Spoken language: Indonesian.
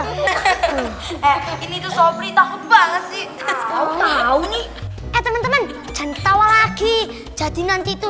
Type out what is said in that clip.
eh ini tuh sobrini tahu banget sih kau tahu nih teman teman cantawa lagi jadi nanti itu